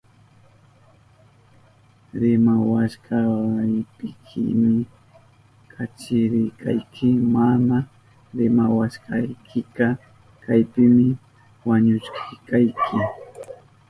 Rimawashpaykimi kacharishkayki. Mana rimawashpaykika kaypimi wañuchishkayki.